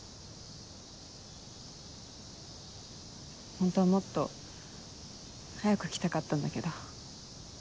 ホントはもっと早く来たかったんだけど。